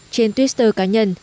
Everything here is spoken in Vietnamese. trên twitter cá nhân